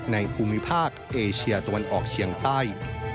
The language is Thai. ภูมิภาคเอเชียตะวันออกเชียงใต้